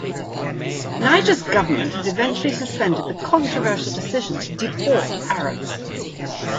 Niger's government had eventually suspended the controversial decision to deport Arabs.